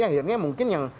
akhirnya mungkin yang